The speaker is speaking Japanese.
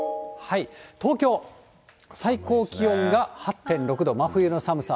東京、最高気温が８．６度、真冬の寒さ。